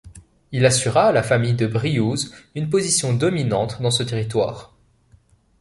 Il assura à la famille de Briouze une position dominante dans ce territoire.